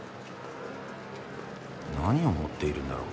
何を持っているんだろう？